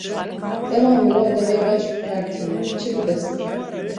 Dema mirov demê baş bi kar tîne, çi bi dest dixe?